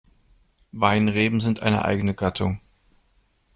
Weinreben sind eine eigene Gattung.